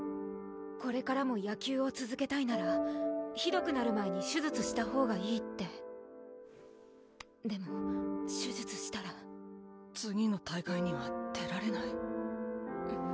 これからも野球をつづけたいならひどくなる前に手術したほうがいいってでも手術したら次の大会には出られない